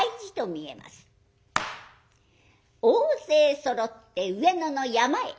大勢そろって上野の山へ。